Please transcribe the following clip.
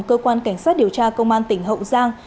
cơ quan cảnh sát điều tra công an tỉnh hậu giang